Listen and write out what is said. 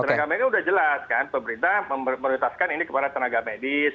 tenaga medis sudah jelas kan pemerintah memprioritaskan ini kepada tenaga medis